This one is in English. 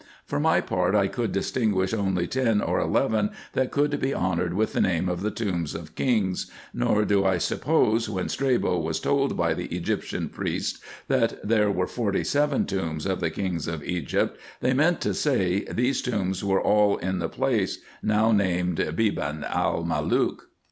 For my part, I could distinguish only ten or eleven that could be honoured with the name of the tombs of kings, nor do I suppose when Strabo was told by the Egyptian priests, that there were forty seven tombs of the kings of Egypt, they meant to say, these tombs were all in the place, now named Beban el Malook.